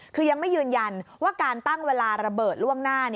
คือยังไม่ยืนยันว่าการตั้งเวลาระเบิดล่วงหน้า